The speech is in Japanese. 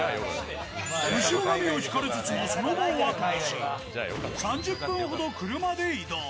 後ろ髪を引かれつつもその場をあとにし３０分ほど車で移動。